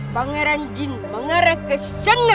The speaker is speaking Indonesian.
pangeran jin mengarah ke sana